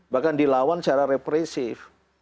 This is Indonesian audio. bahkan dilawan secara represif